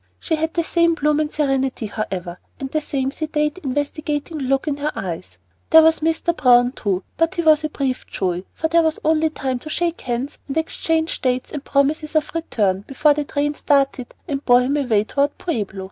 She had the same bloom and serenity, however, and the same sedate, investigating look in her eyes. There was Mr. Browne too, but he was a brief joy, for there was only time to shake hands and exchange dates and promises of return, before the train started and bore him away toward Pueblo.